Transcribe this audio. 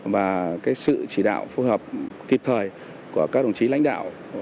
và sự chỉ đạo phù hợp kịp thời của các đồng chí lãnh đạo